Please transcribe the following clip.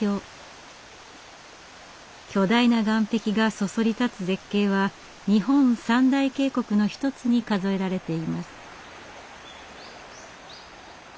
巨大な岩壁がそそり立つ絶景は日本三大渓谷の一つに数えられています。